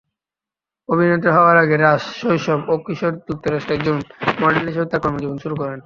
অভিনেত্রী হওয়ার আগে, রাশ শৈশব ও কৈশোরে যুক্তরাষ্ট্রে একজন মডেল হিসাবে তার কর্মজীবন শুরু করেন।